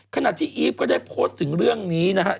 ขณะที่อีฟก็ได้โพสต์ถึงเรื่องนี้นะครับ